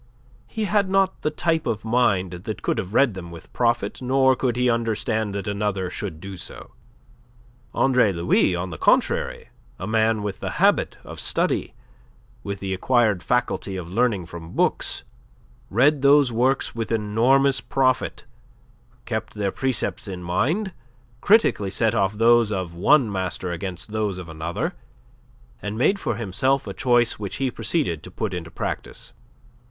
He had not the type of mind that could have read them with profit nor could he understand that another should do so. Andre Louis, on the contrary, a man with the habit of study, with the acquired faculty of learning from books, read those works with enormous profit, kept their precepts in mind, critically set off those of one master against those of another, and made for himself a choice which he proceeded to put into practice.